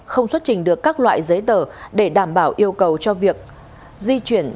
không xuất trình được các loại giấy tờ để đảm bảo yêu cầu cho việc di chuyển